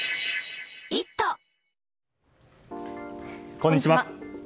こんにちは。